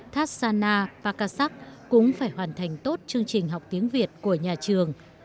thát san na và cát sắc cũng phải hoàn thành tốt chương trình học tiếng việt của nhà trường